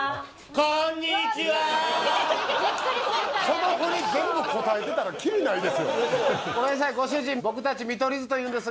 そのフリ全部応えてたらキリないですよ。